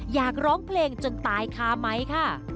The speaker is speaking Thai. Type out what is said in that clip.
อยากร้องเพลงจนตายคาไหมค่ะ